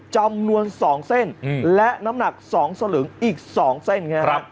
จำนวน๒เส้นและน้ำหนัก๒สลึงอีก๒เส้นไงครับ